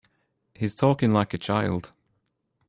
He's talking like a child.